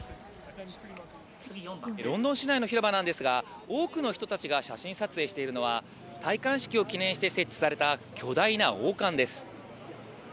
ロンドン市内の広場なんですが多くの人たちが写真撮影しているのは、戴冠式を記念して設置された巨大な王冠です。